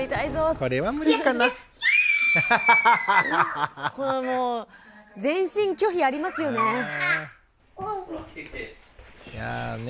このもう全身拒否ありますよね。